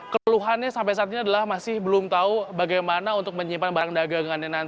keluhannya sampai saat ini adalah masih belum tahu bagaimana untuk menyimpan barang dagangannya